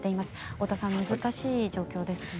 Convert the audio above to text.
太田さん、難しい状況ですね。